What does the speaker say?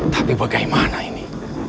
tapi bagaimana ini